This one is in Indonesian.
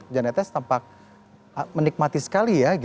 jan etes tampak menikmati sekali ya